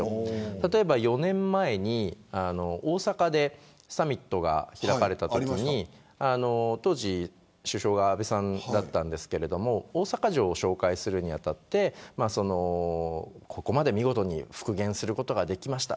例えば４年前に大阪でサミットが開かれたときに当時、首相は安倍さんだったんですけれど大阪城を紹介するに当たってここまで見事に復元することができました。